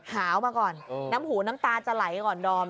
หาวมาก่อนน้ำหูน้ำตาจะไหลก่อนดอม